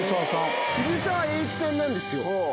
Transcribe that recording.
渋沢栄一さんなんですよ。